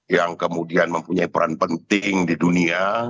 yang kemudian mempunyai peran penting di dunia